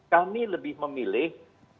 kami lebih memilih